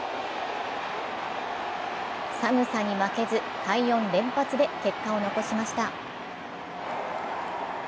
寒さに負けず快音連発で結果を残しました。